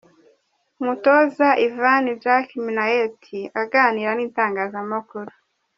Umutoza Ivan Jacky Minnaert aganira n’itangazamakuru.